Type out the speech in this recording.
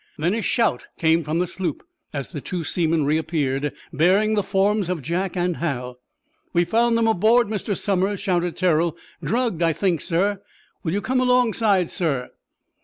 Then a shout came from the sloop, as the two seamen reappeared, bearing the forms of Jack and Hal. "We've found them aboard, Mr. Somers," shouted Terrell. "Drugged, I think, sir. Will you come alongside, sir."